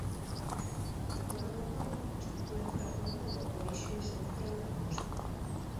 O polo do ton constitúe en certo modo o eixo esencial da música».